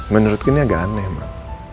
menurutku ini agak aneh mak